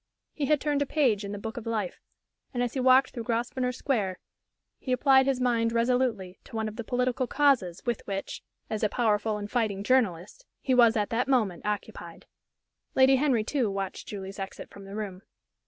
He had turned a page in the book of life; and as he walked through Grosvenor Square he applied his mind resolutely to one of the political "causes" with which, as a powerful and fighting journalist, he was at that moment occupied. Lady Henry, too, watched Julie's exit from the room.